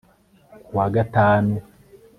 ku wa gatanu